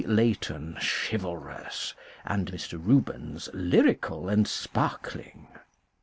Leighton chivalrous, and Mr. Rubens lyrical and sparkling.